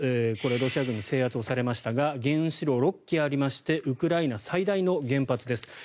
これ、ロシア軍に制圧されましたが原子炉６基ありましてウクライナ最大の原発です。